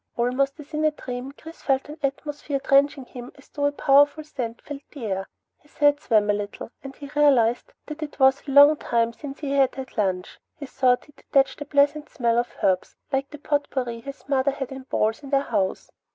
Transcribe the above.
Almost as in a dream, Chris felt an atmosphere drenching him as though a powerful scent filled the air. His head swam a little, and he realized that it was a long time since he had had lunch. He thought he detected a pleasant smell of herbs, like the potpourri his mother had in bowls in their house.